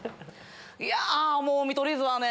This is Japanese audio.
いや見取り図はね